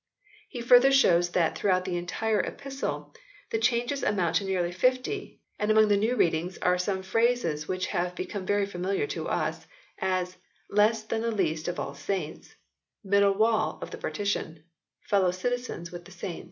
He further shows that throughout the entire epistle the changes amount to nearly 50, and among the new readings are some phrases which have be come very familiar to us, as "less than the least of all saints"; "middle wall of partition"; "fellow citizens with the saints."